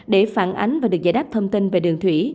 để phản ánh và được giải đáp thông tin về đường thủy